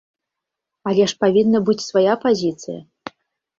Але ж павінна быць свая пазіцыя!